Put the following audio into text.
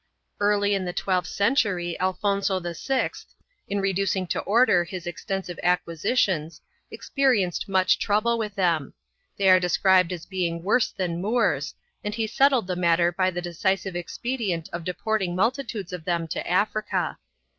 Early in the twelfth century Alfonso VI, in reducing to order his extensive acquisi tions, experienced much trouble with them; they are described as being worse than Moors, and he settled the matter by the decisive expedient of deporting multitudes of them to Africa.